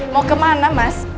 mau kemana mas